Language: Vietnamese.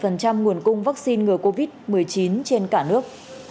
nguồn cung vaccine ngừa covid một mươi chín trên cả nước